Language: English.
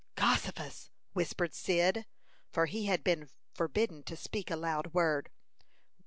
"Gossifus!" whispered Cyd, for he had been forbidden to speak a loud word.